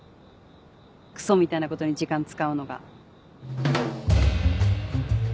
クソみたいなことに時間使うのが。